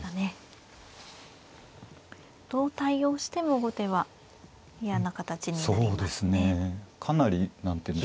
どう対応しても後手は嫌な形になりますね。